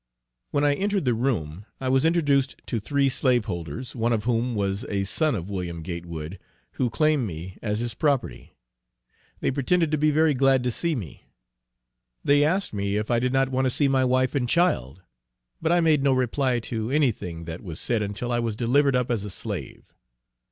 When I entered the room I was introduced to three slaveholders, one of whom was a son of Wm. Gatewood, who claimed me as his property. They pretended to be very glad to see me. They asked me if I did not want to see my wife and child; but I made no reply to any thing that was said until I was delivered up as a slave.